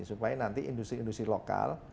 supaya nanti industri industri lokal